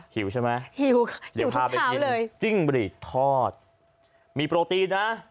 หิวค่ะถึงบริกทอดมีโปรตีนนะ